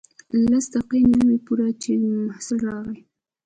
لس دقیقې نه وې پوره چې محصل راغی.